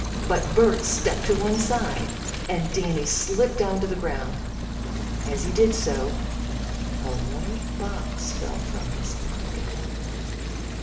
But Bert stepped to one side, and Danny slipped down to the ground. As he did so a white box fell from his pocket.